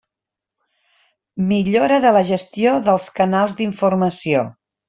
Millora de la gestió dels canals d'informació.